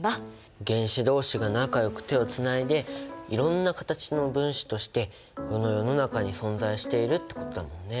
原子同士が仲よく手をつないでいろんな形の分子としてこの世の中に存在しているってことだもんね。